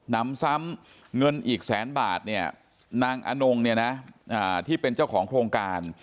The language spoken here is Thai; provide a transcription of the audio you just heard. นำซ้ำเงินอีกแสนบาทเนี่ยนางอนงเนี่ยนะที่เป็นเจ้าของโครงการ